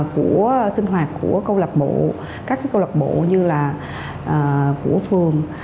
của sinh hoạt của câu lạc bộ các câu lạc bộ như là của phường